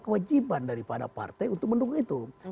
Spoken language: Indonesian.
kewajiban dari pada partai untuk mendukung itu